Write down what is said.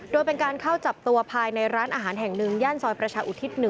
โดยเป็นการเข้าจับตัวภายในร้านอาหารแห่งหนึ่งย่านซอยประชาอุทิศ๑